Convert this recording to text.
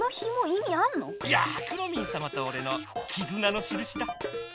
いやくろミンさまとおれのきずなのしるしだ！